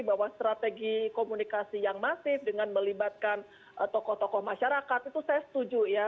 bahwa strategi komunikasi yang masif dengan melibatkan tokoh tokoh masyarakat itu saya setuju ya